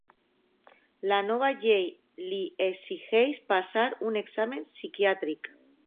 La nova llei li exigeix passar un examen psiquiàtric.